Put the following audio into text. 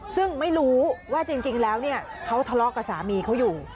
ซึ่งไม่รู้ว่าจริงแล้วเนี่ยเขาทะเลาะกับสามีเขาอยู่